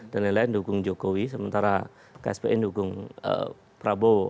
dan lain lain dukung jokowi sementara kspn dukung prabowo